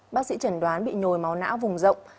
bác sĩ chẩn đoán bị nhồi máu não vùng rộng